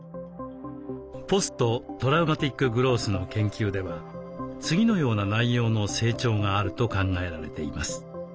ポスト・トラウマティック・グロースの研究では次のような内容の成長があると考えられています。